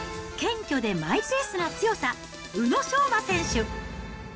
謙虚でマイペースな強さ、宇野昌磨選手。